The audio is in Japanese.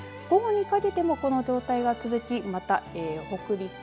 午後にかけても、この状態が続きまた、北陸